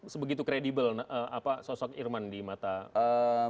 sebegitu kredibel apa sosok irman di mata anda